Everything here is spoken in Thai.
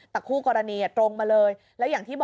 ตอนต่อไป